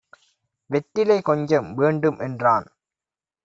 "வெற்றிலை கொஞ்சம் வேண்டும்" என்றான்.